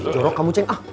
jorok kamu ceng